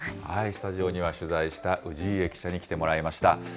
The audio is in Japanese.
スタジオには、取材した氏家記者に来てもらいました。